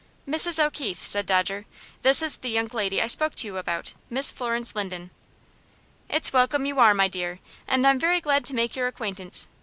"Mrs. O'Keefe," said Dodger, "this is the young lady I spoke to you about Miss Florence Linden." "It's welcome you are, my dear, and I'm very glad to make your acquaintance.